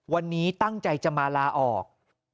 วันนี้ตั้งใจจะมาลาออก